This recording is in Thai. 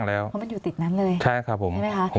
มีความรู้สึกว่ามีความรู้สึกว่า